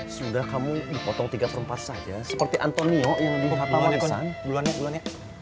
sudah kamu dipotong tiga serempat saja seperti antonio yang dihatamkan